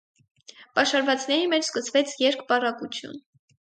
Պաշարվածների մեջ սկսվեց երկպառակություն։